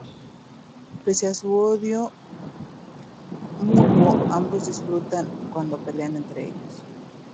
Pese a su odio mutuo, ambos disfrutan cuando pelean entre ellos.